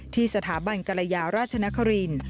ที่สถาบันกรยาราชนครินทร์